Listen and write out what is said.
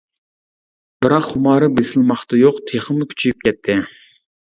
بىراق خۇمارى بېسىلماقتا يوق تېخىمۇ كۈچىيىپ كەتتى.